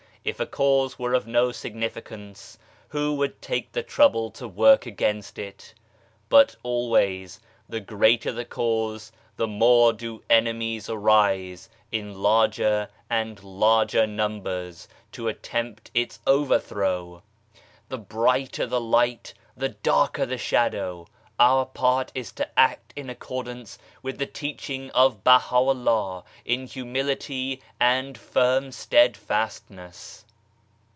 If a cause were SPIRITUALITY 97 of no significance, who would take the trouble to work against it ? But always the greater the cause the more do enemies arise in larger and larger numbers to attempt its over throw ! The brighter the light the darker the shadow ! Our part it is to act in accordance with the teaching of Baha'u'llah in humility and firm steadfastness.